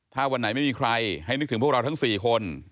ถ้าวันไหนไม่มีใครให้นึกถึงพวกเราทั้ง๔คน